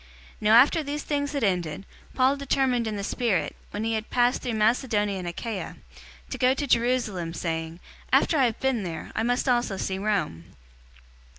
019:021 Now after these things had ended, Paul determined in the spirit, when he had passed through Macedonia and Achaia, to go to Jerusalem, saying, "After I have been there, I must also see Rome."